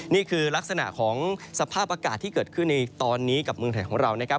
นี่คือลักษณะของสภาพอากาศที่เกิดขึ้นในตอนนี้กับเมืองไทยของเรานะครับ